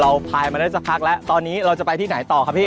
พายมาได้สักพักแล้วตอนนี้เราจะไปที่ไหนต่อครับพี่